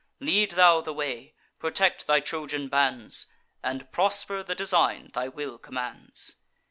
Lead thou the way; protect thy Trojan bands, And prosper the design thy will commands."